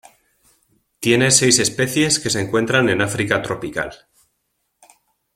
Tiene seis especies que se encuentran en África tropical.